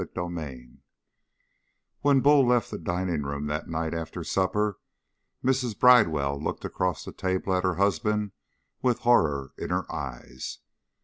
CHAPTER 15 When Bull left the dining room that night after supper, Mrs. Bridewell looked across the table at her husband with horror in her eyes.